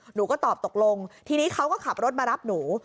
หนูก็ตอบตกลงทีนี้เขาก็ขับรถมารับหนู